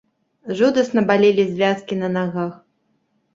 Жудасна балелі звязкі на нагах.